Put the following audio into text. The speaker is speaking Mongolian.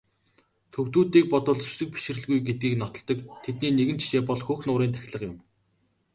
Төвөдүүдийг бодвол сүсэг бишрэлгүй гэдгээ нотолдог тэдний нэгэн жишээ бол Хөх нуурын тахилга юм.